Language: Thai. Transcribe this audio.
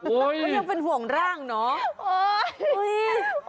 ก็ยังเป็นห่วงร่างเนาะ